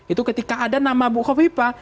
itu ketika ada nama bu kofifa